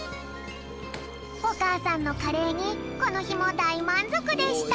おかあさんのカレーにこのひもだいまんぞくでした！